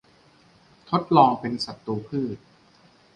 ทดลองเป็นศัตรูพืช